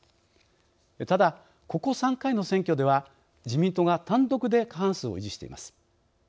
ただ、ここ３回の選挙では自民党が単独で過半数を維持しています。